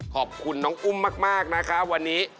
ขอบคุณน้องอุ้มมากนะคะวันนี้